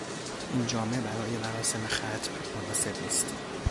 این جامه برای مراسم ختم مناسب نیست.